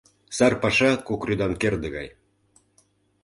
Сар паша кок рӱдан керде гай.